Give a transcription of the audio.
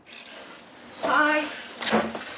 はい！